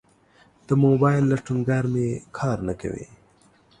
د موبایل لټونګر می کار نه کوي